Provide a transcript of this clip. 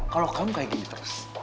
kalau kamu kayak gini terus